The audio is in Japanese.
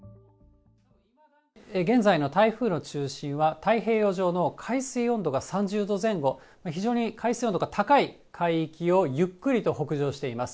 現在の台風の中心は、太平洋上の海水温度が３０度前後、非常に海水温度が高い海域を、ゆっくりと北上しています。